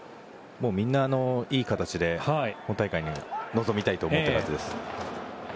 みんないい形で本大会に臨みたいと思っているはずです。